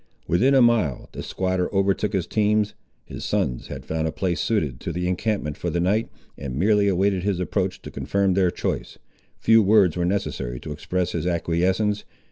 Within a mile, the squatter overtook his teams. His sons had found a place suited to the encampment for the night, and merely awaited his approach to confirm their choice. Few words were necessary to express his acquiescence.